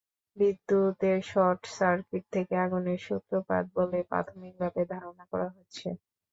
বিদ্যুতের short circuit থেকে আগুনের সূত্রপাত বলে প্রাথমিকভাবে ধারণা করা হচ্ছে।